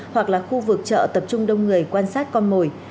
hoặc là khu vực chợ tập trung đông người quan sát con mồi